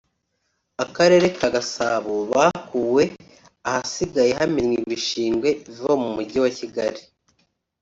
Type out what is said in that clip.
Akarere ka Gasabo bakuwe ahasigaye hamenwa ibishingwe biva mu Mujyi wa Kigali